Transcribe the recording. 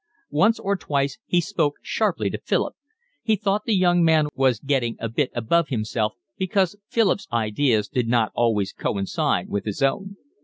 Once or twice he spoke sharply to Philip; he thought the young man was getting a bit above himself, because Philip's ideas did not always coincide with his own.